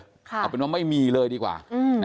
เอาเป็นว่าไม่มีเลยดีกว่า